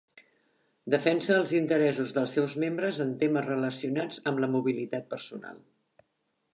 Defensa els interessos dels seus membres en temes relacionats amb la mobilitat personal.